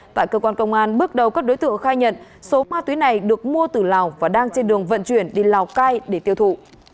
tại cơ quan công an bước đầu các đối tượng khai nhận số ma túy này được mua từ lào và đang trên đường vận chuyển đi lào cai để tiêu thụ